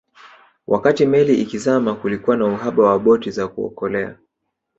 Wakati meli ikizama kulikuwa na uhaba wa boti za kuokolea